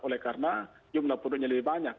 oleh karena jumlah penduduknya lebih banyak